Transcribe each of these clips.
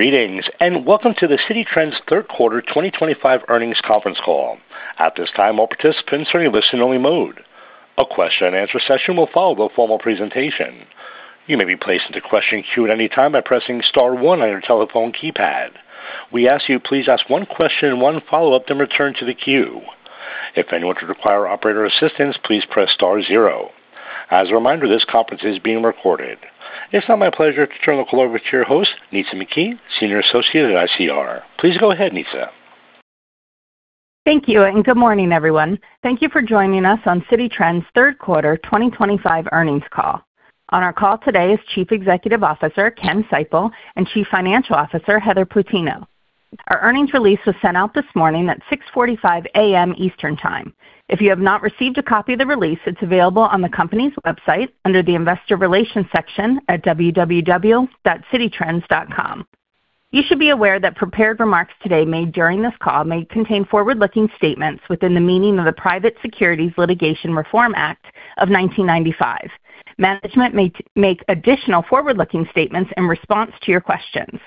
Greetings, and welcome to the Citi Trends Third Quarter 2025 earnings conference call. At this time, all participants are in listen-only mode. A question-and-answer session will follow the formal presentation. You may be placed into question queue at any time by pressing star one on your telephone keypad. We ask that you please ask one question and one follow-up, then return to the queue. If anyone should require operator assistance, please press star zero. As a reminder, this conference is being recorded. It's now my pleasure to turn the call over to your host, Nitza McKee, Senior Associate at ICR. Please go ahead, Nitza. Thank you, and good morning, everyone. Thank you for joining us on Citi Trends Third Quarter 2025 earnings call. On our call today is Chief Executive Officer Ken Seipel and Chief Financial Officer Heather Plutino. Our earnings release was sent out this morning at 6:45 A.M. Eastern Time. If you have not received a copy of the release, it's available on the company's website under the Investor Relations section at www.cititrends.com. You should be aware that prepared remarks today made during this call may contain forward-looking statements within the meaning of the Private Securities Litigation Reform Act of 1995. Management may make additional forward-looking statements in response to your questions.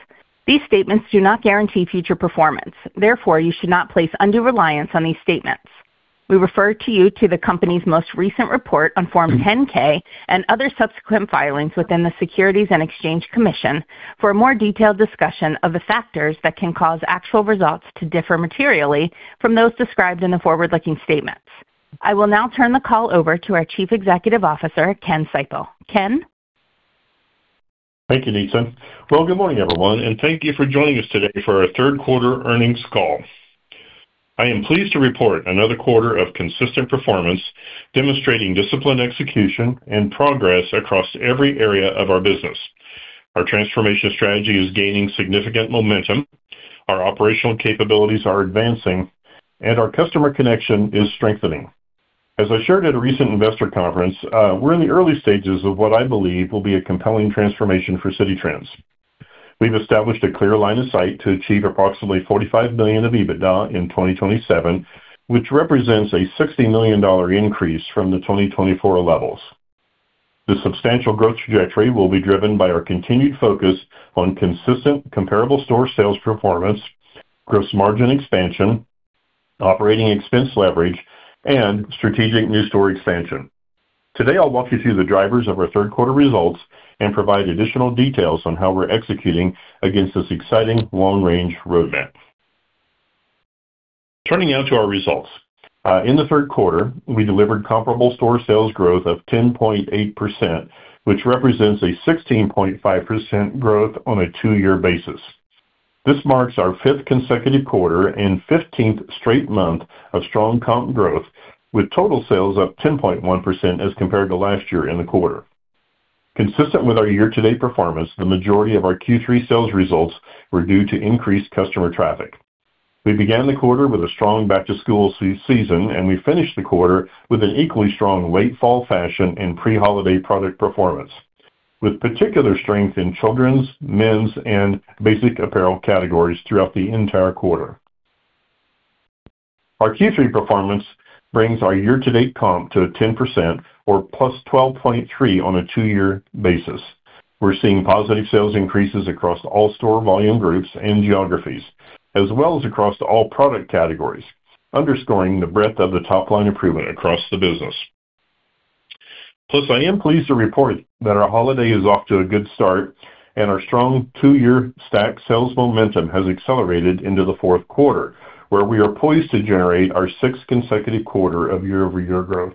These statements do not guarantee future performance. Therefore, you should not place undue reliance on these statements. We refer you to the company's most recent report on Form 10-K and other subsequent filings with the Securities and Exchange Commission for a more detailed discussion of the factors that can cause actual results to differ materially from those described in the forward-looking statements. I will now turn the call over to our Chief Executive Officer, Ken Seipel. Ken. Thank you, Nitza. Good morning, everyone, and thank you for joining us today for our Third Quarter earnings call. I am pleased to report another quarter of consistent performance demonstrating discipline, execution, and progress across every area of our business. Our transformation strategy is gaining significant momentum, our operational capabilities are advancing, and our customer connection is strengthening. As I shared at a recent investor conference, we're in the early stages of what I believe will be a compelling transformation for Citi Trends. We've established a clear line of sight to achieve approximately $45 million of EBITDA in 2027, which represents a $60 million increase from the 2024 levels. The substantial growth trajectory will be driven by our continued focus on consistent comparable store sales performance, gross margin expansion, operating expense leverage, and strategic new store expansion. Today, I'll walk you through the drivers of our third quarter results and provide additional details on how we're executing against this exciting long-range roadmap. Turning now to our results. In the third quarter, we delivered comparable store sales growth of 10.8%, which represents a 16.5% growth on a two-year basis. This marks our fifth consecutive quarter and 15th straight month of strong comp growth, with total sales up 10.1% as compared to last year in the quarter. Consistent with our year-to-date performance, the majority of our Q3 sales results were due to increased customer traffic. We began the quarter with a strong back-to-school season, and we finished the quarter with an equally strong late-fall fashion and pre-holiday product performance, with particular strength in children's, men's, and basic apparel categories throughout the entire quarter. Our Q3 performance brings our year-to-date comp to 10%, or plus 12.3% on a two-year basis. We're seeing positive sales increases across all store volume groups and geographies, as well as across all product categories, underscoring the breadth of the top-line improvement across the business. Plus, I am pleased to report that our holiday is off to a good start, and our strong two-year stack sales momentum has accelerated into the fourth quarter, where we are poised to generate our sixth consecutive quarter of year-over-year growth.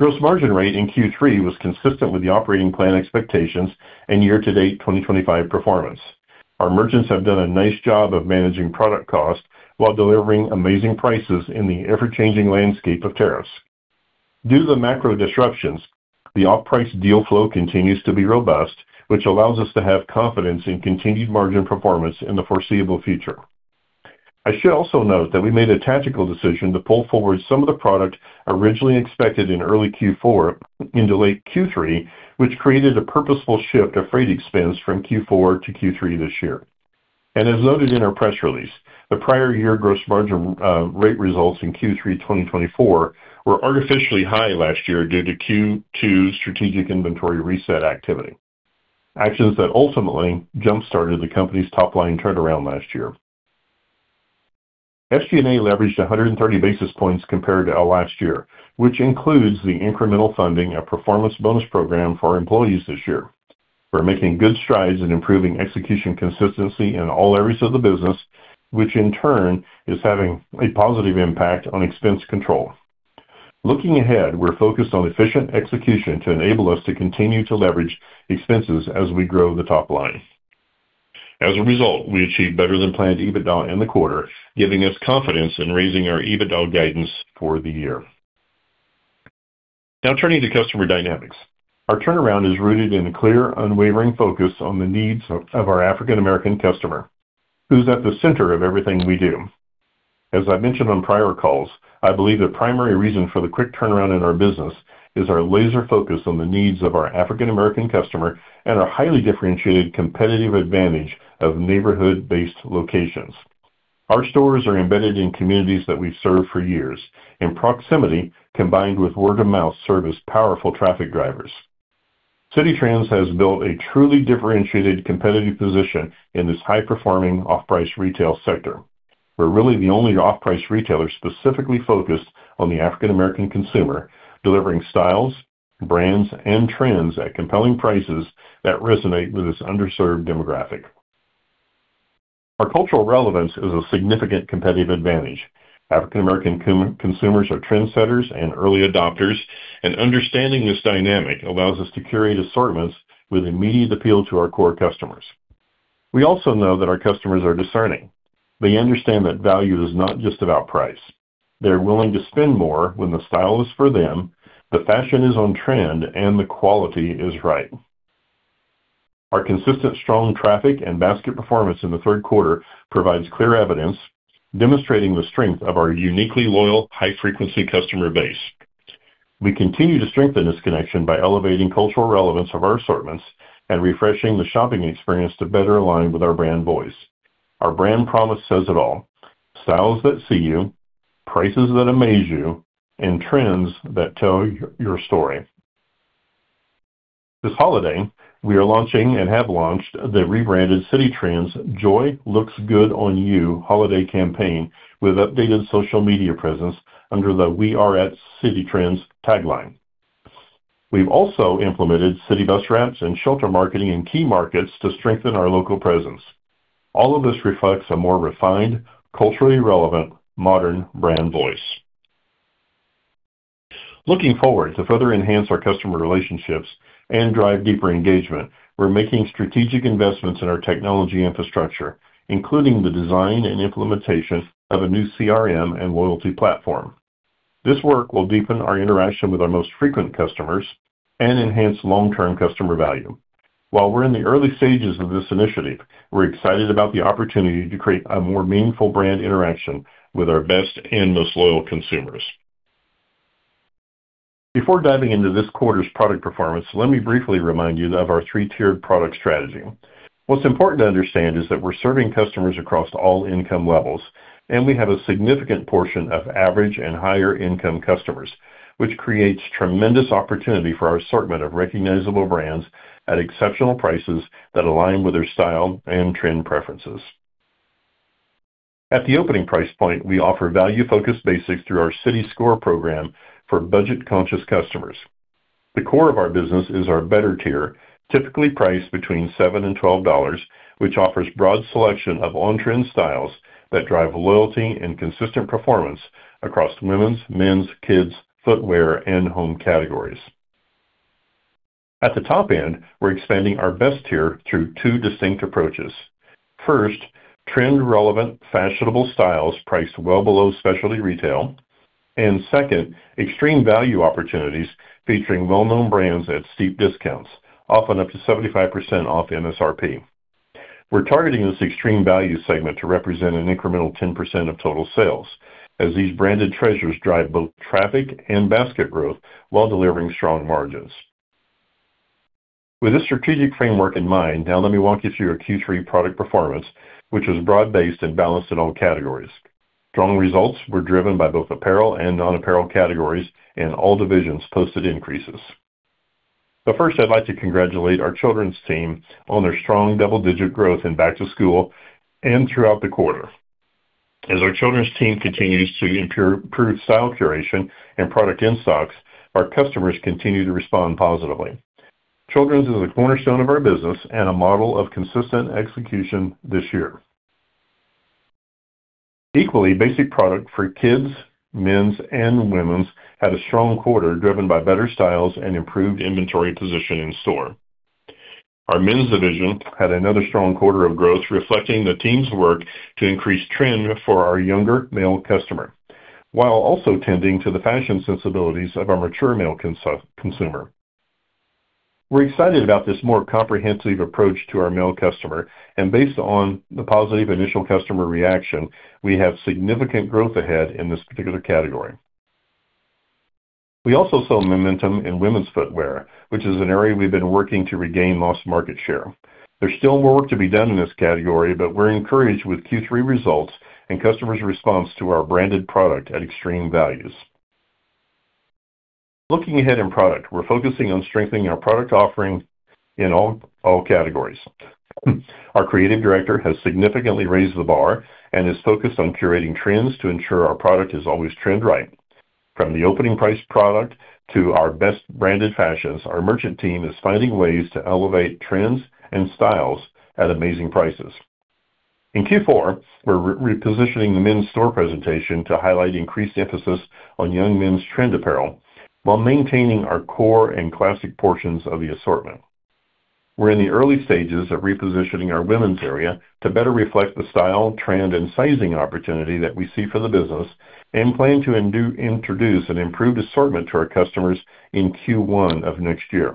Gross margin rate in Q3 was consistent with the operating plan expectations and year-to-date 2025 performance. Our merchants have done a nice job of managing product cost while delivering amazing prices in the ever-changing landscape of tariffs. Due to the macro disruptions, the off-price deal flow continues to be robust, which allows us to have confidence in continued margin performance in the foreseeable future. I should also note that we made a tactical decision to pull forward some of the product originally expected in early Q4 into late Q3, which created a purposeful shift of freight expense from Q4 to Q3 this year. As noted in our press release, the prior year gross margin rate results in Q3 2024 were artificially high last year due to Q2 strategic inventory reset activity, actions that ultimately jump-started the company's top-line turnaround last year. SG&A leveraged 130 basis points compared to last year, which includes the incremental funding of performance bonus programs for employees this year. We're making good strides in improving execution consistency in all areas of the business, which in turn is having a positive impact on expense control. Looking ahead, we're focused on efficient execution to enable us to continue to leverage expenses as we grow the top line. As a result, we achieved better-than-planned EBITDA in the quarter, giving us confidence in raising our EBITDA guidance for the year. Now, turning to customer dynamics, our turnaround is rooted in a clear, unwavering focus on the needs of our African American customer, who's at the center of everything we do. As I've mentioned on prior calls, I believe the primary reason for the quick turnaround in our business is our laser focus on the needs of our African American customer and our highly differentiated competitive advantage of neighborhood-based locations. Our stores are embedded in communities that we've served for years, and proximity combined with word-of-mouth serve as powerful traffic drivers. Citi Trends has built a truly differentiated competitive position in this high-performing off-price retail sector. We're really the only off-price retailer specifically focused on the African American consumer, delivering styles, brands, and trends at compelling prices that resonate with this underserved demographic. Our cultural relevance is a significant competitive advantage. African American consumers are trendsetters and early adopters, and understanding this dynamic allows us to curate assortments with immediate appeal to our core customers. We also know that our customers are discerning. They understand that value is not just about price. They're willing to spend more when the style is for them, the fashion is on trend, and the quality is right. Our consistent strong traffic and basket performance in the third quarter provides clear evidence, demonstrating the strength of our uniquely loyal, high-frequency customer base. We continue to strengthen this connection by elevating cultural relevance of our assortments and refreshing the shopping experience to better align with our brand voice. Our brand promise says it all: styles that see you, prices that amaze you, and trends that tell your story. This holiday, we are launching and have launched the rebranded Citi Trends Joy Looks Good on You holiday campaign with updated social media presence under the We Are At Citi Trends tagline. We've also implemented city bus ramps and shelter marketing in key markets to strengthen our local presence. All of this reflects a more refined, culturally relevant, modern brand voice. Looking forward to further enhance our customer relationships and drive deeper engagement, we're making strategic investments in our technology infrastructure, including the design and implementation of a new CRM and loyalty platform. This work will deepen our interaction with our most frequent customers and enhance long-term customer value. While we're in the early stages of this initiative, we're excited about the opportunity to create a more meaningful brand interaction with our best and most loyal consumers. Before diving into this quarter's product performance, let me briefly remind you of our three-tiered product strategy. What's important to understand is that we're serving customers across all income levels, and we have a significant portion of average and higher-income customers, which creates tremendous opportunity for our assortment of recognizable brands at exceptional prices that align with their style and trend preferences. At the opening price point, we offer value-focused basics through our City Score program for budget-conscious customers. The core of our business is our better tier, typically priced between $7 and $12, which offers a broad selection of on-trend styles that drive loyalty and consistent performance across women's, men's, kids, footwear, and home categories. At the top end, we're expanding our best tier through two distinct approaches. First, trend-relevant, fashionable styles priced well below specialty retail. Second, extreme value opportunities featuring well-known brands at steep discounts, often up to 75% off MSRP. We're targeting this extreme value segment to represent an incremental 10% of total sales, as these branded treasures drive both traffic and basket growth while delivering strong margins. With this strategic framework in mind, now let me walk you through our Q3 product performance, which was broad-based and balanced in all categories. Strong results were driven by both apparel and non-apparel categories and all divisions posted increases. First, I'd like to congratulate our children's team on their strong double-digit growth in back-to-school and throughout the quarter. As our children's team continues to improve style curation and product in stocks, our customers continue to respond positively. Children is a cornerstone of our business and a model of consistent execution this year. Equally, basic product for kids, men's, and women's had a strong quarter driven by better styles and improved inventory position in store. Our men's division had another strong quarter of growth, reflecting the team's work to increase trend for our younger male customer, while also tending to the fashion sensibilities of our mature male consumer. We're excited about this more comprehensive approach to our male customer, and based on the positive initial customer reaction, we have significant growth ahead in this particular category. We also saw momentum in women's footwear, which is an area we've been working to regain lost market share. There's still more work to be done in this category, but we're encouraged with Q3 results and customers' response to our branded product at extreme values. Looking ahead in product, we're focusing on strengthening our product offering in all categories. Our creative director has significantly raised the bar and is focused on curating trends to ensure our product is always trend right. From the opening price product to our best branded fashions, our merchant team is finding ways to elevate trends and styles at amazing prices. In Q4, we're repositioning the men's store presentation to highlight increased emphasis on young men's trend apparel while maintaining our core and classic portions of the assortment. We're in the early stages of repositioning our women's area to better reflect the style, trend, and sizing opportunity that we see for the business and plan to introduce an improved assortment to our customers in Q1 of next year.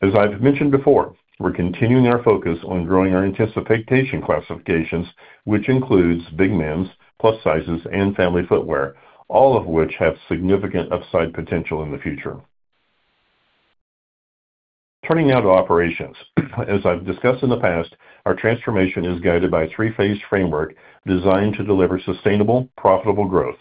As I've mentioned before, we're continuing our focus on growing our anticipation classifications, which includes big men's, plus sizes, and family footwear, all of which have significant upside potential in the future. Turning now to operations. As I've discussed in the past, our transformation is guided by a three-phase framework designed to deliver sustainable, profitable growth.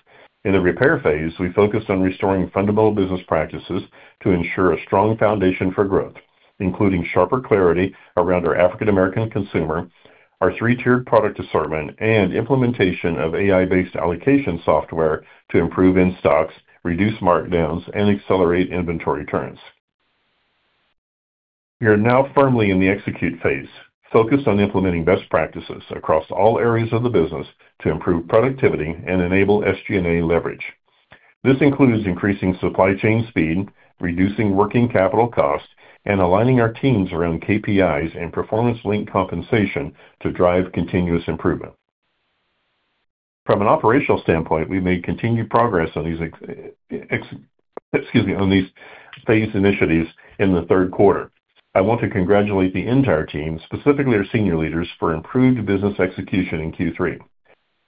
In the repair phase, we focused on restoring fundamental business practices to ensure a strong foundation for growth, including sharper clarity around our African American consumer, our three-tiered product assortment, and implementation of AI-based allocation software to improve in stocks, reduce markdowns, and accelerate inventory turns. We are now firmly in the execute phase, focused on implementing best practices across all areas of the business to improve productivity and enable SG&A leverage. This includes increasing supply chain speed, reducing working capital cost, and aligning our teams around KPIs and performance-linked compensation to drive continuous improvement. From an operational standpoint, we made continued progress on these phase initiatives in the third quarter. I want to congratulate the entire team, specifically our senior leaders, for improved business execution in Q3.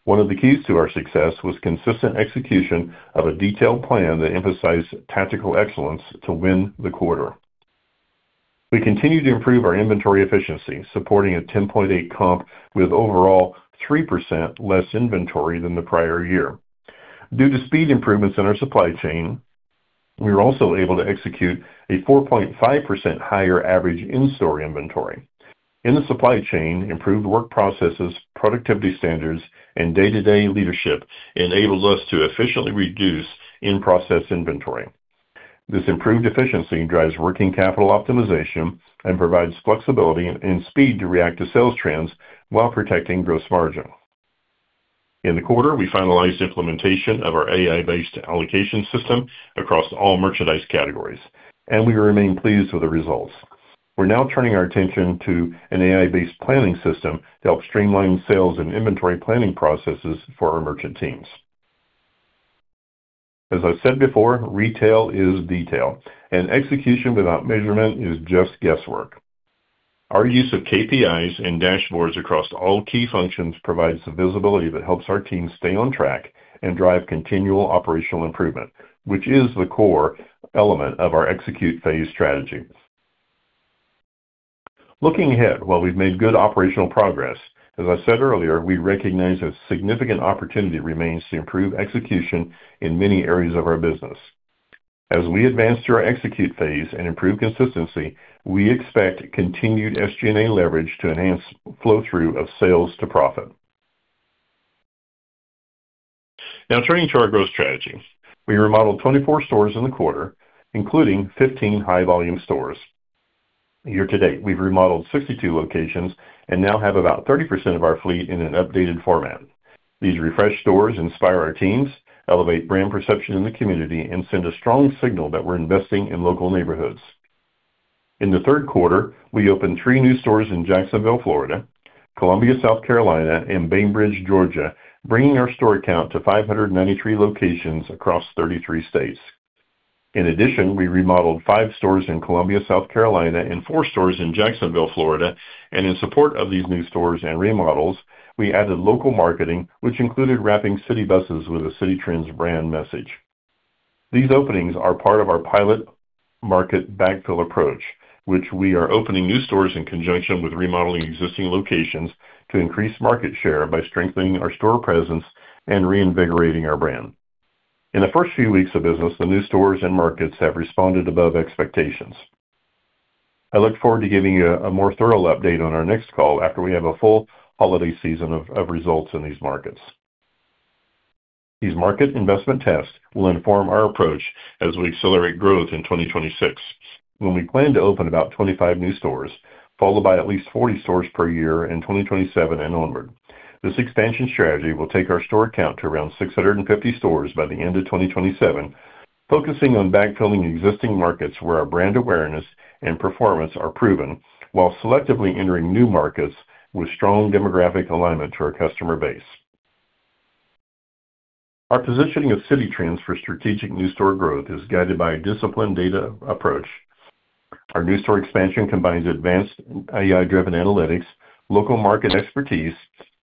One of the keys to our success was consistent execution of a detailed plan that emphasized tactical excellence to win the quarter. We continue to improve our inventory efficiency, supporting a 10.8% comp with overall 3% less inventory than the prior year. Due to speed improvements in our supply chain, we were also able to execute a 4.5% higher average in-store inventory. In the supply chain, improved work processes, productivity standards, and day-to-day leadership enabled us to efficiently reduce in-process inventory. This improved efficiency drives working capital optimization and provides flexibility and speed to react to sales trends while protecting gross margin. In the quarter, we finalized implementation of our AI-based allocation system across all merchandise categories, and we remain pleased with the results. We're now turning our attention to an AI-based planning system to help streamline sales and inventory planning processes for our merchant teams. As I said before, retail is detail, and execution without measurement is just guesswork. Our use of KPIs and dashboards across all key functions provides the visibility that helps our team stay on track and drive continual operational improvement, which is the core element of our execute phase strategy. Looking ahead, while we've made good operational progress, as I said earlier, we recognize a significant opportunity remains to improve execution in many areas of our business. As we advance through our execute phase and improve consistency, we expect continued SG&A leverage to enhance flow-through of sales to profit. Now, turning to our growth strategy, we remodeled 24 stores in the quarter, including 15 high-volume stores. Year to date, we've remodeled 62 locations and now have about 30% of our fleet in an updated format. These refreshed stores inspire our teams, elevate brand perception in the community, and send a strong signal that we're investing in local neighborhoods. In the third quarter, we opened three new stores in Jacksonville, Florida, Columbia, South Carolina, and Bainbridge, Georgia, bringing our store count to 593 locations across 33 states. In addition, we remodeled five stores in Columbia, South Carolina, and four stores in Jacksonville, Florida. In support of these new stores and remodels, we added local marketing, which included wrapping city buses with a Citi Trends brand message. These openings are part of our pilot market backfill approach, which we are opening new stores in conjunction with remodeling existing locations to increase market share by strengthening our store presence and reinvigorating our brand. In the first few weeks of business, the new stores and markets have responded above expectations. I look forward to giving you a more thorough update on our next call after we have a full holiday season of results in these markets. These market investment tests will inform our approach as we accelerate growth in 2026, when we plan to open about 25 new stores, followed by at least 40 stores per year in 2027 and onward. This expansion strategy will take our store count to around 650 stores by the end of 2027, focusing on backfilling existing markets where our brand awareness and performance are proven while selectively entering new markets with strong demographic alignment to our customer base. Our positioning of Citi Trends for strategic new store growth is guided by a disciplined data approach. Our new store expansion combines advanced AI-driven analytics, local market expertise,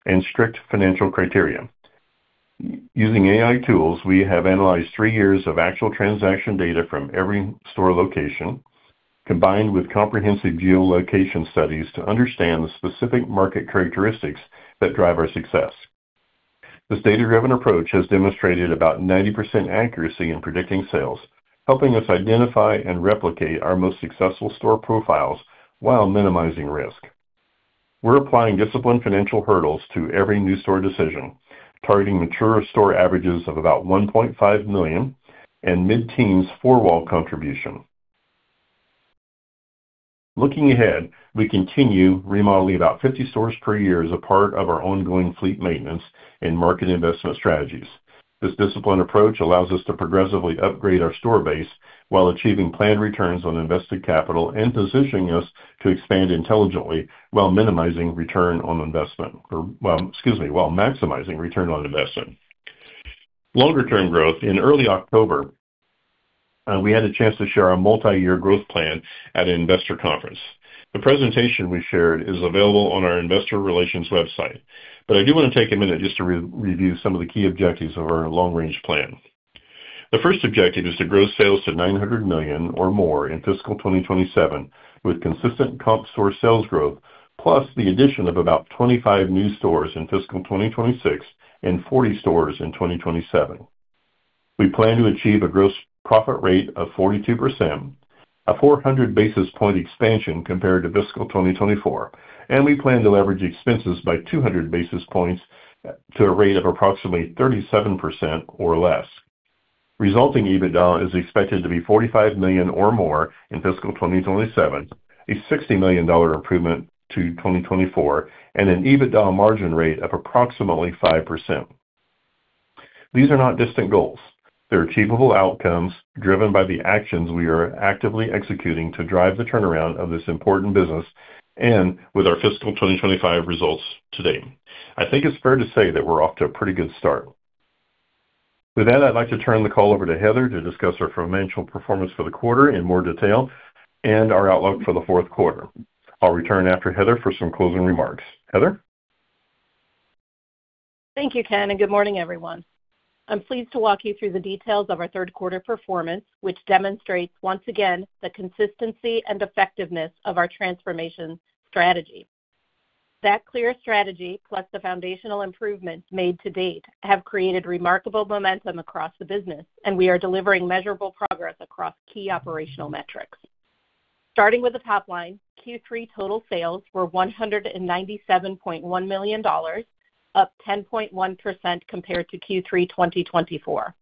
and strict financial criteria. Using AI tools, we have analyzed three years of actual transaction data from every store location, combined with comprehensive geolocation studies to understand the specific market characteristics that drive our success. This data-driven approach has demonstrated about 90% accuracy in predicting sales, helping us identify and replicate our most successful store profiles while minimizing risk. We're applying disciplined financial hurdles to every new store decision, targeting mature store averages of about $1.5 million and mid-teens four-wall contribution. Looking ahead, we continue remodeling about 50 stores per year as a part of our ongoing fleet maintenance and market investment strategies. This disciplined approach allows us to progressively upgrade our store base while achieving planned returns on invested capital and positioning us to expand intelligently while minimizing return on investment, excuse me, while maximizing return on investment. Longer-term growth, in early October, we had a chance to share our multi-year growth plan at an investor conference. The presentation we shared is available on our investor relations website, but I do want to take a minute just to review some of the key objectives of our long-range plan. The first objective is to grow sales to $900 million or more in fiscal 2027 with consistent comp store sales growth, plus the addition of about 25 new stores in fiscal 2026 and 40 stores in 2027. We plan to achieve a gross profit rate of 42%, a 400 basis point expansion compared to fiscal 2024, and we plan to leverage expenses by 200 basis points to a rate of approximately 37% or less. Resulting EBITDA is expected to be $45 million or more in fiscal 2027, a $60 million improvement to 2024, and an EBITDA margin rate of approximately 5%. These are not distant goals. They're achievable outcomes driven by the actions we are actively executing to drive the turnaround of this important business and with our fiscal 2025 results today. I think it's fair to say that we're off to a pretty good start. With that, I'd like to turn the call over to Heather to discuss our financial performance for the quarter in more detail and our outlook for the fourth quarter. I'll return after Heather for some closing remarks. Heather? Thank you, Ken, and good morning, everyone. I'm pleased to walk you through the details of our third quarter performance, which demonstrates once again the consistency and effectiveness of our transformation strategy. That clear strategy, plus the foundational improvements made to date, have created remarkable momentum across the business, and we are delivering measurable progress across key operational metrics. Starting with the top line, Q3 total sales were $197.1 million, up 10.1% compared to Q3 2024.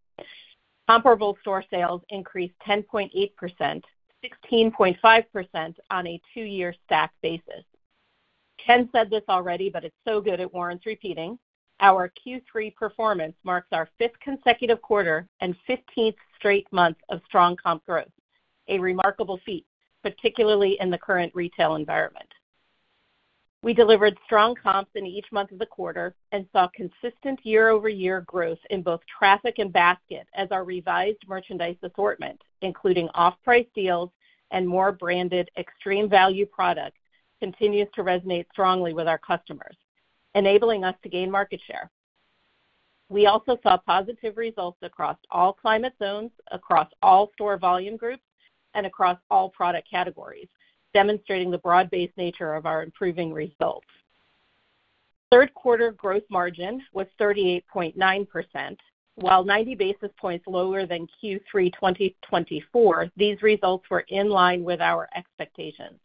Comparable store sales increased 10.8%, 16.5% on a two-year stack basis. Ken said this already, but it's so good it warrants repeating. Our Q3 performance marks our fifth consecutive quarter and 15th straight month of strong comp growth, a remarkable feat, particularly in the current retail environment. We delivered strong comps in each month of the quarter and saw consistent year-over-year growth in both traffic and basket as our revised merchandise assortment, including off-price deals and more branded extreme value products, continues to resonate strongly with our customers, enabling us to gain market share. We also saw positive results across all climate zones, across all store volume groups, and across all product categories, demonstrating the broad-based nature of our improving results. Third quarter gross margin was 38.9%. While 90 basis points lower than Q3 2024, these results were in line with our expectations.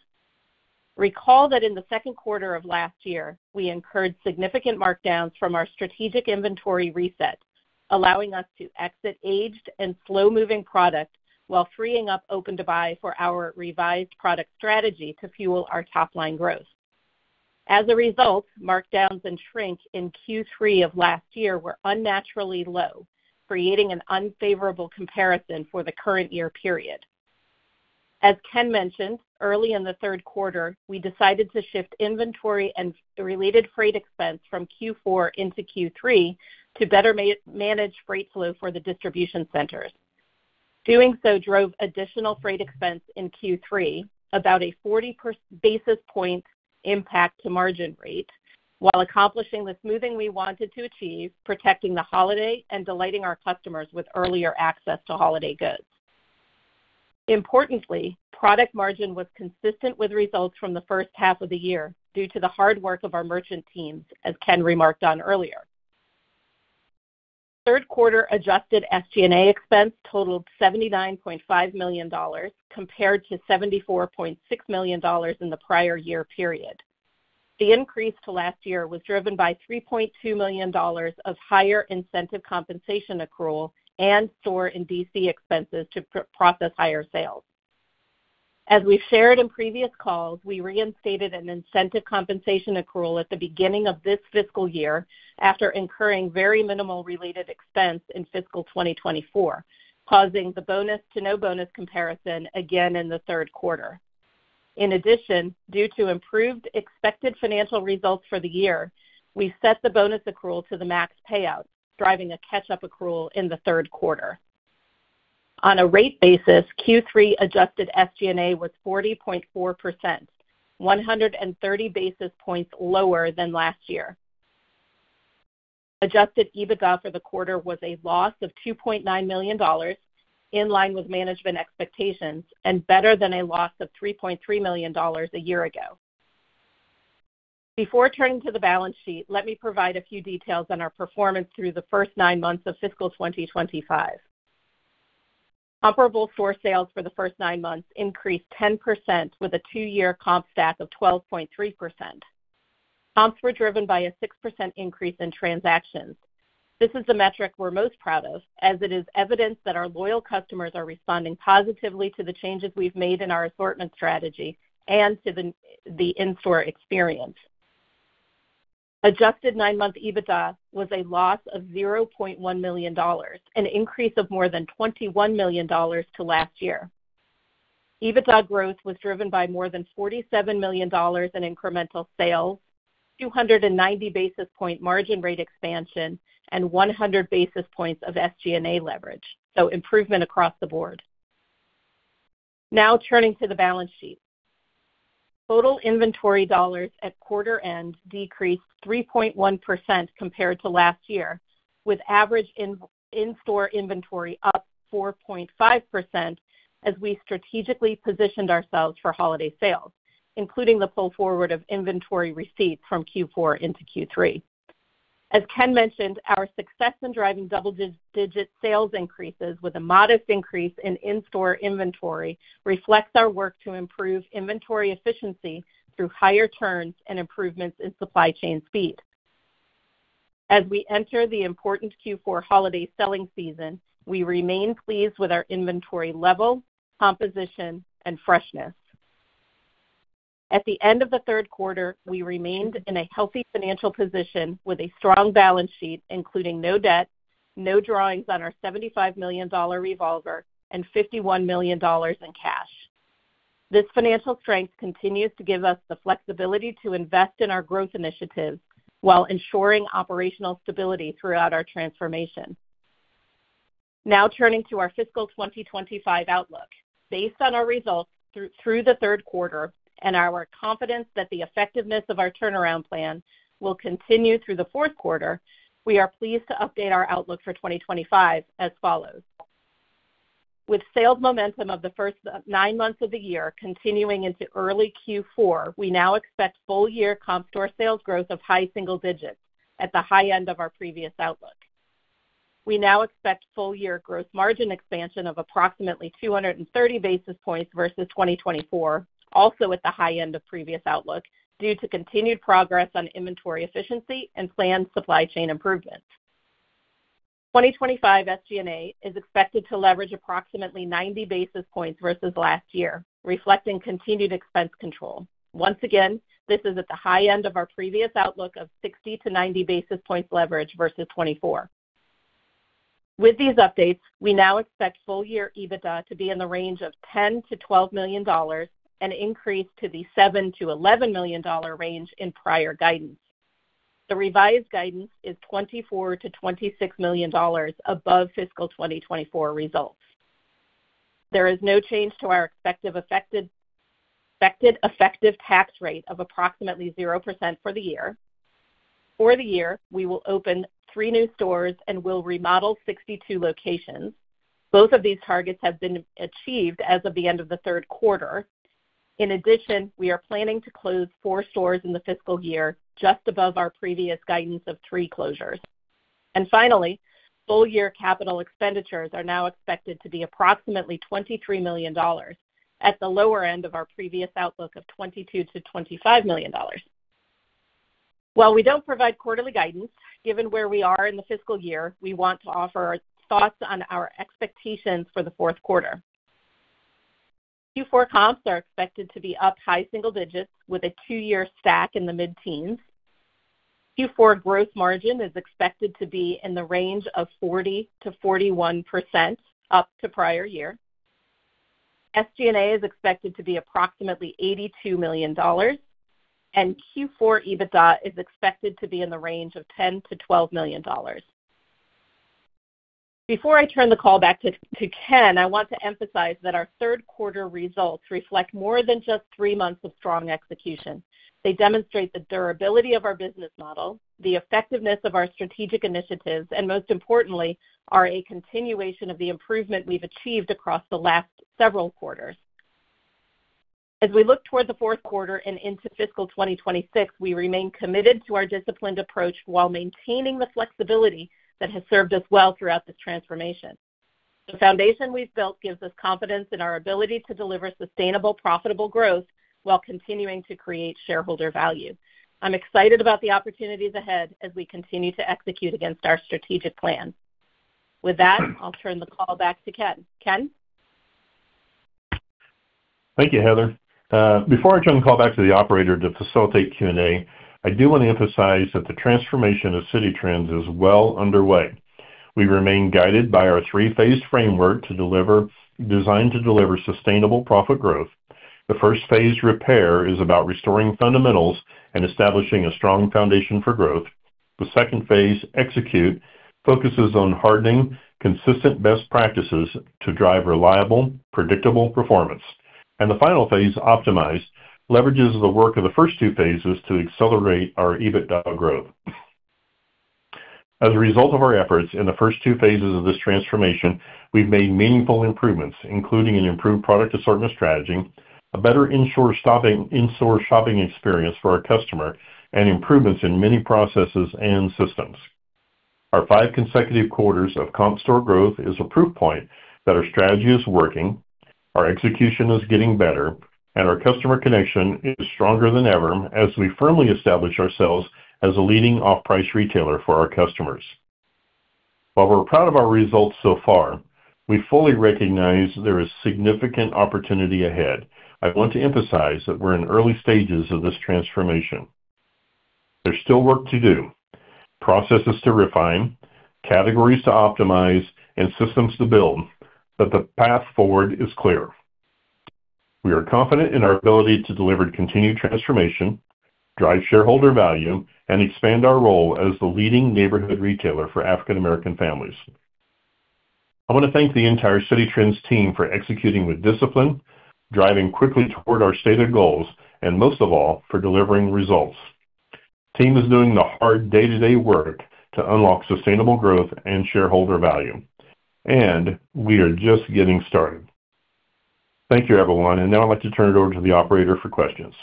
Recall that in the second quarter of last year, we incurred significant markdowns from our strategic inventory reset, allowing us to exit aged and slow-moving product while freeing up open to buy for our revised product strategy to fuel our top-line growth. As a result, markdowns and shrink in Q3 of last year were unnaturally low, creating an unfavorable comparison for the current year period. As Ken mentioned, early in the third quarter, we decided to shift inventory and related freight expense from Q4 into Q3 to better manage freight flow for the distribution centers. Doing so drove additional freight expense in Q3, about a 40 basis point impact to margin rate, while accomplishing the smoothing we wanted to achieve, protecting the holiday and delighting our customers with earlier access to holiday goods. Importantly, product margin was consistent with results from the first half of the year due to the hard work of our merchant teams, as Ken remarked on earlier. Third quarter adjusted SG&A expense totaled $79.5 million compared to $74.6 million in the prior year period. The increase to last year was driven by $3.2 million of higher incentive compensation accrual and store and DC expenses to process higher sales. As we've shared in previous calls, we reinstated an incentive compensation accrual at the beginning of this fiscal year after incurring very minimal related expense in fiscal 2024, causing the bonus-to-no bonus comparison again in the third quarter. In addition, due to improved expected financial results for the year, we set the bonus accrual to the max payout, driving a catch-up accrual in the third quarter. On a rate basis, Q3 adjusted SG&A was 40.4%, 130 basis points lower than last year. Adjusted EBITDA for the quarter was a loss of $2.9 million, in line with management expectations and better than a loss of $3.3 million a year ago. Before turning to the balance sheet, let me provide a few details on our performance through the first nine months of fiscal 2025. Comparable store sales for the first nine months increased 10% with a two-year comp stack of 12.3%. Comps were driven by a 6% increase in transactions. This is the metric we're most proud of, as it is evidence that our loyal customers are responding positively to the changes we've made in our assortment strategy and to the in-store experience. Adjusted nine-month EBITDA was a loss of $0.1 million, an increase of more than $21 million to last year. EBITDA growth was driven by more than $47 million in incremental sales, 290 basis point margin rate expansion, and 100 basis points of SG&A leverage, so improvement across the board. Now turning to the balance sheet, total inventory dollars at quarter-end decreased 3.1% compared to last year, with average in-store inventory up 4.5% as we strategically positioned ourselves for holiday sales, including the pull forward of inventory receipts from Q4 into Q3. As Ken mentioned, our success in driving double-digit sales increases with a modest increase in in-store inventory reflects our work to improve inventory efficiency through higher turns and improvements in supply chain speed. As we enter the important Q4 holiday selling season, we remain pleased with our inventory level, composition, and freshness. At the end of the third quarter, we remained in a healthy financial position with a strong balance sheet, including no debt, no drawings on our $75 million revolver, and $51 million in cash. This financial strength continues to give us the flexibility to invest in our growth initiatives while ensuring operational stability throughout our transformation. Now turning to our fiscal 2025 outlook, based on our results through the third quarter and our confidence that the effectiveness of our turnaround plan will continue through the fourth quarter, we are pleased to update our outlook for 2025 as follows. With sales momentum of the first nine months of the year continuing into early Q4, we now expect full-year comp store sales growth of high single digits at the high end of our previous outlook. We now expect full-year gross margin expansion of approximately 230 basis points versus 2024, also at the high end of previous outlook due to continued progress on inventory efficiency and planned supply chain improvements. 2025 SG&A is expected to leverage approximately 90 basis points versus last year, reflecting continued expense control. Once again, this is at the high end of our previous outlook of 60-90 basis points leverage versus 2024. With these updates, we now expect full-year EBITDA to be in the range of $10-$12 million and increase to the $7-$11 million range in prior guidance. The revised guidance is $24-$26 million above fiscal 2024 results. There is no change to our effective tax rate of approximately 0% for the year. For the year, we will open three new stores and will remodel 62 locations. Both of these targets have been achieved as of the end of the third quarter. In addition, we are planning to close four stores in the fiscal year just above our previous guidance of three closures. Finally, full-year capital expenditures are now expected to be approximately $23 million at the lower end of our previous outlook of $22-$25 million. While we do not provide quarterly guidance, given where we are in the fiscal year, we want to offer our thoughts on our expectations for the fourth quarter. Q4 comps are expected to be up high single digits with a two-year stack in the mid-teens. Q4 gross margin is expected to be in the range of 40-41% up to prior year. SG&A is expected to be approximately $82 million, and Q4 EBITDA is expected to be in the range of $10-$12 million. Before I turn the call back to Ken, I want to emphasize that our third quarter results reflect more than just three months of strong execution. They demonstrate the durability of our business model, the effectiveness of our strategic initiatives, and most importantly, are a continuation of the improvement we've achieved across the last several quarters. As we look toward the fourth quarter and into fiscal 2026, we remain committed to our disciplined approach while maintaining the flexibility that has served us well throughout this transformation. The foundation we've built gives us confidence in our ability to deliver sustainable, profitable growth while continuing to create shareholder value. I'm excited about the opportunities ahead as we continue to execute against our strategic plan. With that, I'll turn the call back to Ken. Ken? Thank you, Heather. Before I turn the call back to the operator to facilitate Q&A, I do want to emphasize that the transformation of Citi Trends is well underway. We remain guided by our three-phased framework to design to deliver sustainable profit growth. The first phase, repair, is about restoring fundamentals and establishing a strong foundation for growth. The second phase, execute, focuses on hardening consistent best practices to drive reliable, predictable performance. The final phase, optimize, leverages the work of the first two phases to accelerate our EBITDA growth. As a result of our efforts in the first two phases of this transformation, we've made meaningful improvements, including an improved product assortment strategy, a better in-store shopping experience for our customer, and improvements in many processes and systems. Our five consecutive quarters of comp store growth is a proof point that our strategy is working, our execution is getting better, and our customer connection is stronger than ever as we firmly establish ourselves as a leading off-price retailer for our customers. While we're proud of our results so far, we fully recognize there is significant opportunity ahead. I want to emphasize that we're in early stages of this transformation. There's still work to do, processes to refine, categories to optimize, and systems to build, but the path forward is clear. We are confident in our ability to deliver continued transformation, drive shareholder value, and expand our role as the leading neighborhood retailer for African American families. I want to thank the entire Citi Trends team for executing with discipline, driving quickly toward our stated goals, and most of all, for delivering results. The team is doing the hard day-to-day work to unlock sustainable growth and shareholder value, and we are just getting started. Thank you, everyone, and now I'd like to turn it over to the operator for questions.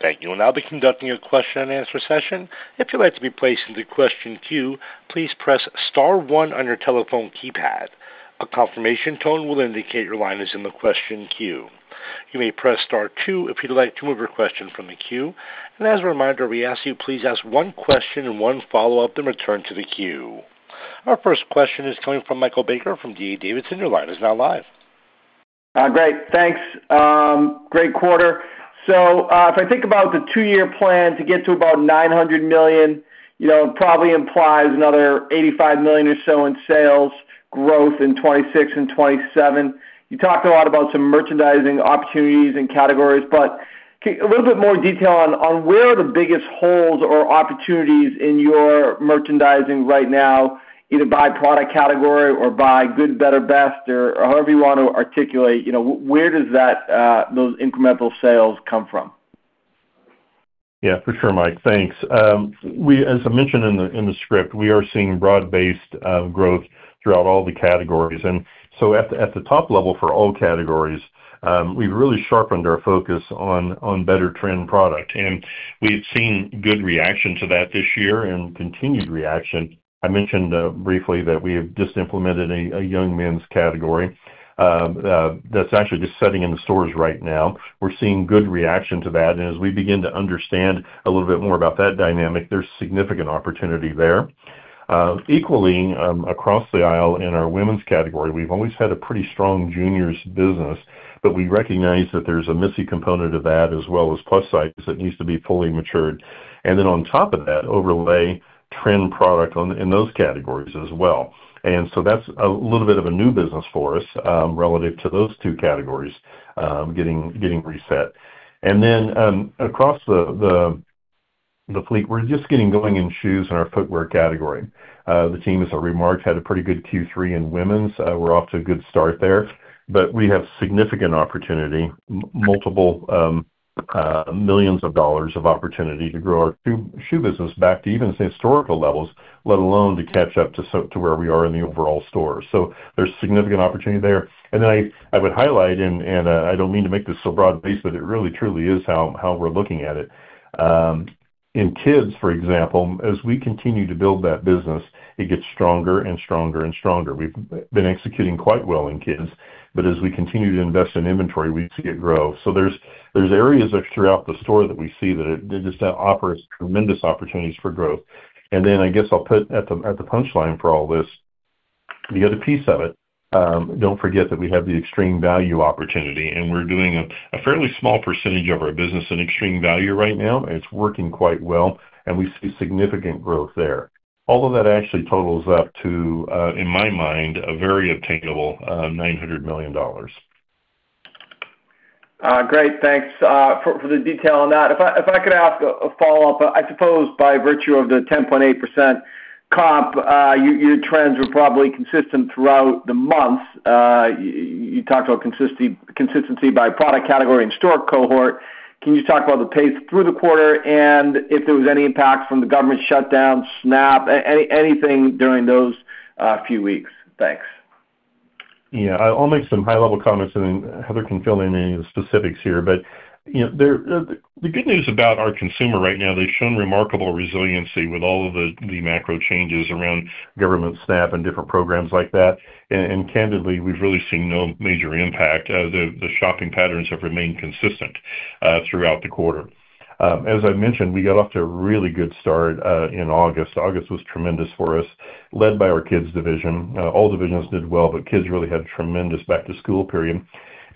Thank you. We'll now be conducting a question-and-answer session. If you'd like to be placed into question queue, please press star one on your telephone keypad. A confirmation tone will indicate your line is in the question queue. You may press star two if you'd like to move your question from the queue. As a reminder, we ask you to please ask one question and one follow-up and return to the queue. Our first question is coming from Michael Baker from D.A. Davidson. Your line is now live. Great. Thanks. Great quarter. If I think about the two-year plan to get to about $900 million, it probably implies another $85 million or so in sales growth in 2026 and 2027. You talked a lot about some merchandising opportunities and categories, but a little bit more detail on where are the biggest holes or opportunities in your merchandising right now, either by product category or by good, better, best, or however you want to articulate, where do those incremental sales come from? Yeah, for sure, Mike. Thanks. As I mentioned in the script, we are seeing broad-based growth throughout all the categories. At the top level for all categories, we have really sharpened our focus on better-trend product. We have seen good reaction to that this year and continued reaction. I mentioned briefly that we have just implemented a young men's category that is actually just setting in the stores right now. We're seeing good reaction to that. As we begin to understand a little bit more about that dynamic, there's significant opportunity there. Equally, across the aisle in our women's category, we've always had a pretty strong juniors business, but we recognize that there's a missing component of that as well as plus size that needs to be fully matured. On top of that, overlay trend product in those categories as well. That's a little bit of a new business for us relative to those two categories getting reset. Across the fleet, we're just getting going in shoes in our footwear category. The team, as I remarked, had a pretty good Q3 in women's. We're off to a good start there, but we have significant opportunity, multiple millions of dollars of opportunity to grow our shoe business back to even historical levels, let alone to catch up to where we are in the overall stores. There is significant opportunity there. I would highlight, and I do not mean to make this so broad based, but it really truly is how we're looking at it. In kids, for example, as we continue to build that business, it gets stronger and stronger and stronger. We've been executing quite well in kids, but as we continue to invest in inventory, we see it grow. There are areas throughout the store that we see that just offer us tremendous opportunities for growth. I guess I'll put at the punchline for all this, the other piece of it, don't forget that we have the extreme value opportunity, and we're doing a fairly small percentage of our business in extreme value right now. It's working quite well, and we see significant growth there. All of that actually totals up to, in my mind, a very obtainable $900 million. Great. Thanks for the detail on that. If I could ask a follow-up, I suppose by virtue of the 10.8% comp, your trends were probably consistent throughout the months. You talked about consistency by product category and store cohort. Can you talk about the pace through the quarter and if there was any impact from the government shutdown, SNAP, anything during those few weeks? Thanks. Yeah. I'll make some high-level comments, and then Heather can fill in any of the specifics here. The good news about our consumer right now, they've shown remarkable resiliency with all of the macro changes around government staff and different programs like that. Candidly, we've really seen no major impact. The shopping patterns have remained consistent throughout the quarter. As I mentioned, we got off to a really good start in August. August was tremendous for us, led by our kids' division. All divisions did well, but kids really had a tremendous back-to-school period.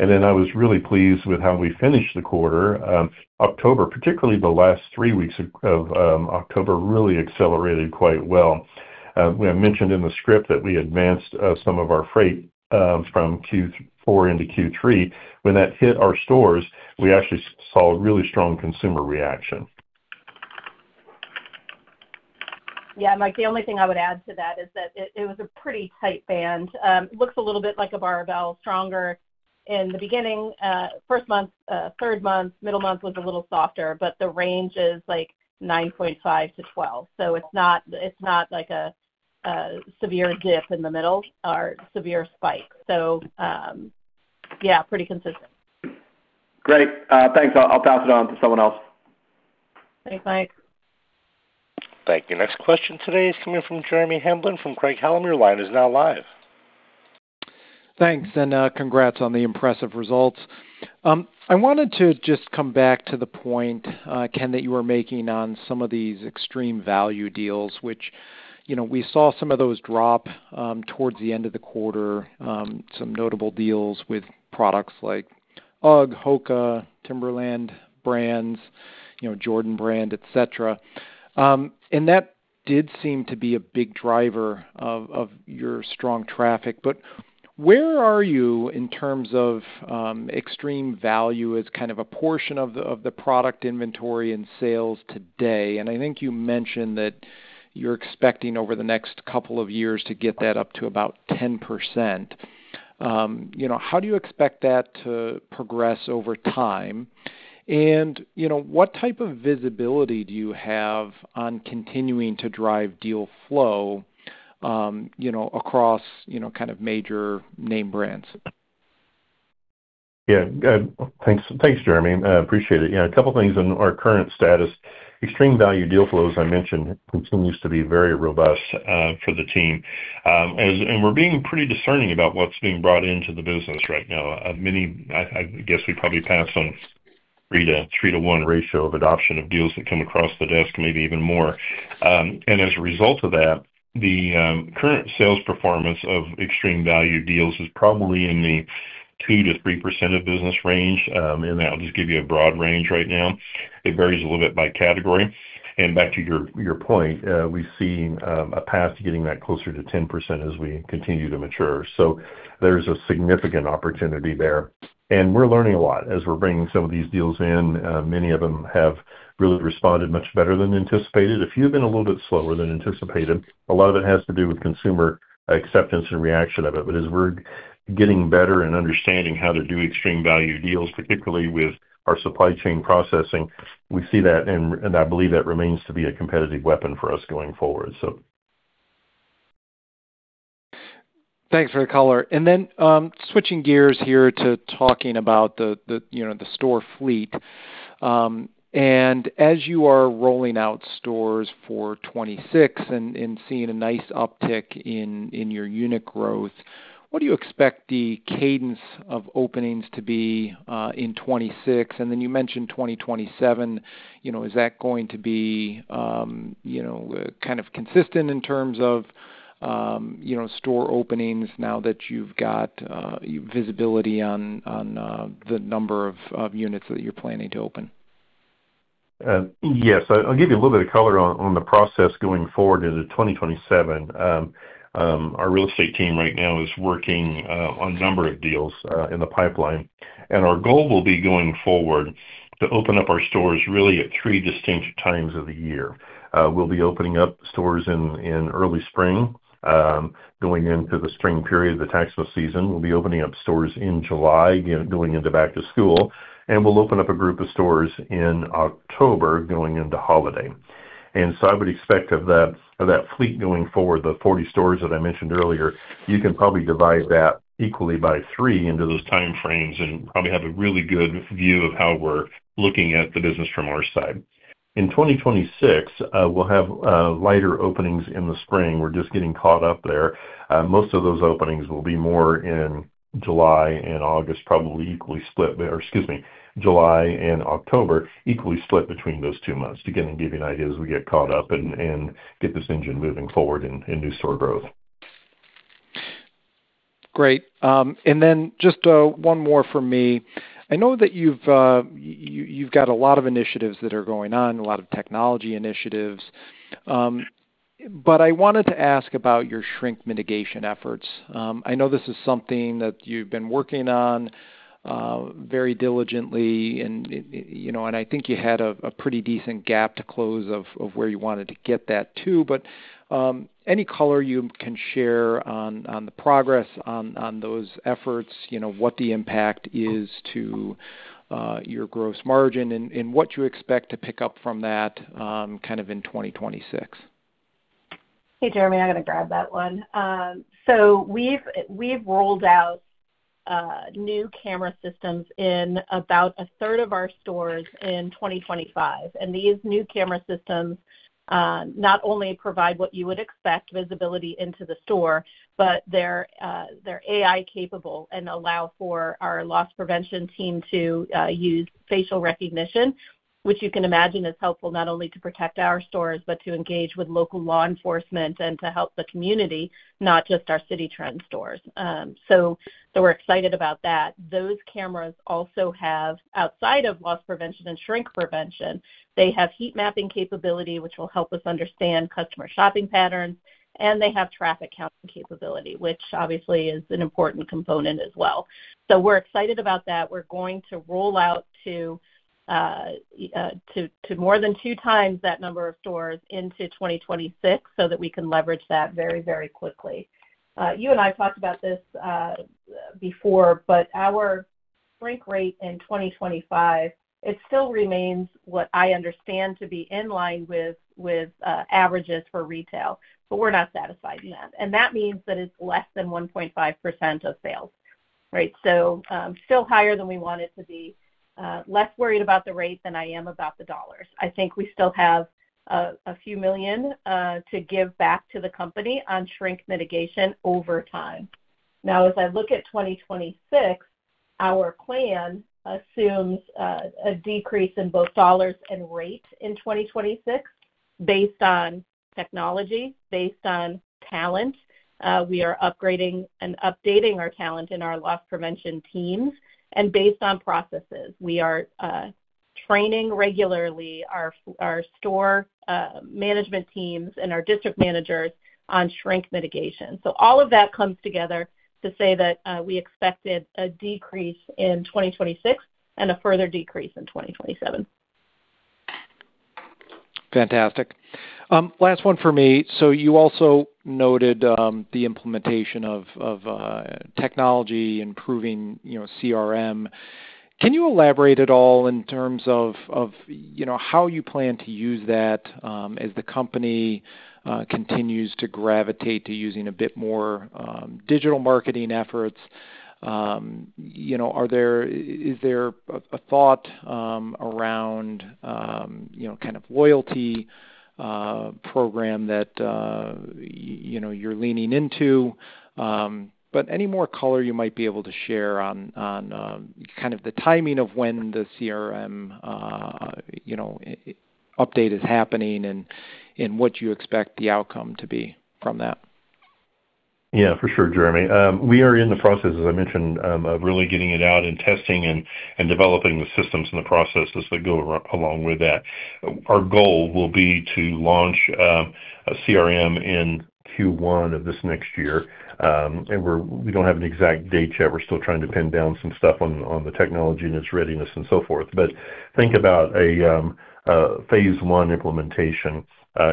I was really pleased with how we finished the quarter. October, particularly the last three weeks of October, really accelerated quite well. We mentioned in the script that we advanced some of our freight from Q4 into Q3. When that hit our stores, we actually saw really strong consumer reaction. Yeah. Mike, the only thing I would add to that is that it was a pretty tight band. It looks a little bit like a barbell, stronger in the beginning, first month, third month, middle month was a little softer, but the range is like 9.5-12. So it's not like a severe dip in the middle or severe spike. Yeah, pretty consistent. Great. Thanks. I'll pass it on to someone else. Thanks, Mike. Thank you. Next question today is coming from Jeremy Hamblin from Craig-Hallum. Line is now live. Thanks. Congrats on the impressive results. I wanted to just come back to the point, Ken, that you were making on some of these extreme value deals, which we saw some of those drop towards the end of the quarter, some notable deals with products like UGG, HOKA, Timberland brands, Jordan Brand, etc. That did seem to be a big driver of your strong traffic. Where are you in terms of extreme value as kind of a portion of the product inventory and sales today? I think you mentioned that you're expecting over the next couple of years to get that up to about 10%. How do you expect that to progress over time? What type of visibility do you have on continuing to drive deal flow across kind of major name brands? Yeah. Good. Thanks, Jeremy. Appreciate it. A couple of things in our current status. Extreme value deal flow, as I mentioned, continues to be very robust for the team. We're being pretty discerning about what's being brought into the business right now. I guess we probably passed on a three to one ratio of adoption of deals that come across the desk, maybe even more. As a result of that, the current sales performance of extreme value deals is probably in the 2-3% of business range. I'll just give you a broad range right now. It varies a little bit by category. Back to your point, we've seen a path to getting that closer to 10% as we continue to mature. There is a significant opportunity there. We're learning a lot as we're bringing some of these deals in. Many of them have really responded much better than anticipated. A few have been a little bit slower than anticipated. A lot of it has to do with consumer acceptance and reaction of it. As we're getting better and understanding how to do extreme value deals, particularly with our supply chain processing, we see that, and I believe that remains to be a competitive weapon for us going forward. Thanks for the color. Switching gears here to talking about the store fleet. As you are rolling out stores for 2026 and seeing a nice uptick in your unit growth, what do you expect the cadence of openings to be in 2026? You mentioned 2027. Is that going to be kind of consistent in terms of store openings now that you've got visibility on the number of units that you're planning to open? Yes. I'll give you a little bit of color on the process going forward into 2027. Our real estate team right now is working on a number of deals in the pipeline. Our goal will be going forward to open up our stores really at three distinct times of the year. We'll be opening up stores in early spring, going into the spring period, the tax season season. We'll be opening up stores in July, going into back-to-school. We'll open up a group of stores in October going into holiday. I would expect of that fleet going forward, the 40 stores that I mentioned earlier, you can probably divide that equally by three into those time frames and probably have a really good view of how we're looking at the business from our side. In 2026, we'll have lighter openings in the spring. We're just getting caught up there. Most of those openings will be more in July and August, probably equally split, or excuse me, July and October, equally split between those two months to kind of give you an idea as we get caught up and get this engine moving forward in new store growth. Great. Then just one more for me. I know that you've got a lot of initiatives that are going on, a lot of technology initiatives. I wanted to ask about your shrink mitigation efforts. I know this is something that you've been working on very diligently, and I think you had a pretty decent gap to close of where you wanted to get that to. Any color you can share on the progress on those efforts, what the impact is to your gross margin, and what you expect to pick up from that kind of in 2026? Hey, Jeremy, I'm going to grab that one. We've rolled out new camera systems in about a third of our stores in 2025. These new camera systems not only provide what you would expect, visibility into the store, but they're AI-capable and allow for our loss prevention team to use facial recognition, which you can imagine is helpful not only to protect our stores, but to engage with local law enforcement and to help the community, not just our Citi Trends stores. We're excited about that. Those cameras also have, outside of loss prevention and shrink prevention, they have heat mapping capability, which will help us understand customer shopping patterns, and they have traffic counting capability, which obviously is an important component as well. We're excited about that. We're going to roll out to more than two times that number of stores into 2026 so that we can leverage that very, very quickly. You and I talked about this before, but our shrink rate in 2025, it still remains what I understand to be in line with averages for retail, but we're not satisfied in that. That means that it's less than 1.5% of sales, right? Still higher than we want it to be, less worried about the rate than I am about the dollars. I think we still have a few million to give back to the company on shrink mitigation over time. Now, as I look at 2026, our plan assumes a decrease in both dollars and rate in 2026 based on technology, based on talent. We are upgrading and updating our talent in our loss prevention teams. Based on processes, we are training regularly our store management teams and our district managers on shrink mitigation. All of that comes together to say that we expected a decrease in 2026 and a further decrease in 2027. Fantastic. Last one for me. You also noted the implementation of technology improving CRM. Can you elaborate at all in terms of how you plan to use that as the company continues to gravitate to using a bit more digital marketing efforts? Is there a thought around kind of loyalty program that you're leaning into? Any more color you might be able to share on the timing of when the CRM update is happening and what you expect the outcome to be from that? Yeah, for sure, Jeremy. We are in the process, as I mentioned, of really getting it out and testing and developing the systems and the processes that go along with that. Our goal will be to launch a CRM in Q1 of this next year. We do not have an exact date yet. We are still trying to pin down some stuff on the technology and its readiness and so forth. Think about a phase one implementation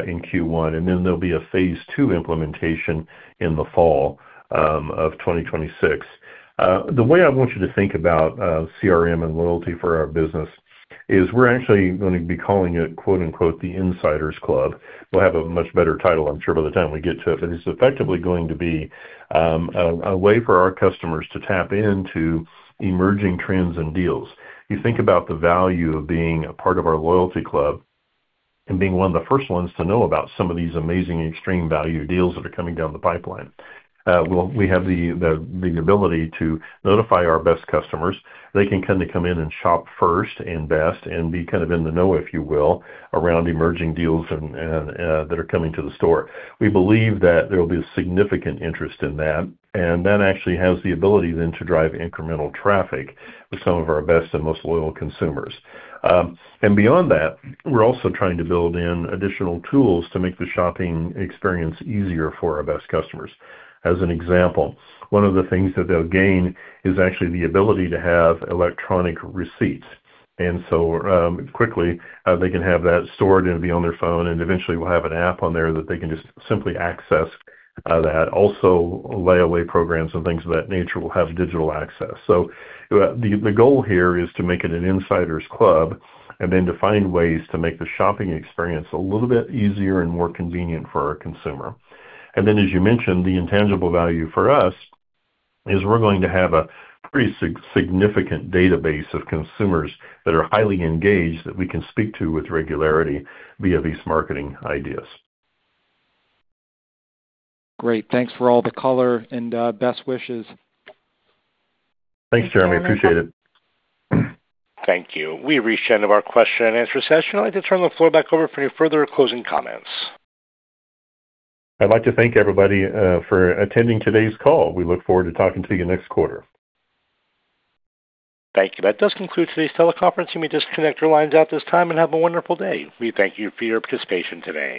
in Q1, and then there will be a phase two implementation in the fall of 2026. The way I want you to think about CRM and loyalty for our business is we are actually going to be calling it, quote unquote, the Insiders Club. We will have a much better title, I am sure, by the time we get to it. It is effectively going to be a way for our customers to tap into emerging trends and deals. You think about the value of being a part of our loyalty club and being one of the first ones to know about some of these amazing extreme value deals that are coming down the pipeline. We have the ability to notify our best customers. They can kind of come in and shop first and best and be kind of in the know, if you will, around emerging deals that are coming to the store. We believe that there will be a significant interest in that. That actually has the ability then to drive incremental traffic with some of our best and most loyal consumers. Beyond that, we're also trying to build in additional tools to make the shopping experience easier for our best customers. As an example, one of the things that they'll gain is actually the ability to have electronic receipts. They can have that stored and be on their phone quickly. Eventually, we'll have an app on there that they can just simply access. Also, layaway programs and things of that nature will have digital access. The goal here is to make it an Insiders Club and then to find ways to make the shopping experience a little bit easier and more convenient for our consumer. As you mentioned, the intangible value for us is we're going to have a pretty significant database of consumers that are highly engaged that we can speak to with regularity via these marketing ideas. Great. Thanks for all the color and best wishes. Thanks, Jeremy. Appreciate it. Thank you. We reached the end of our question and answer session. I'd like to turn the floor back over for any further closing comments. I'd like to thank everybody for attending today's call. We look forward to talking to you next quarter. Thank you. That does conclude today's teleconference. You may disconnect your lines at this time and have a wonderful day. We thank you for your participation today.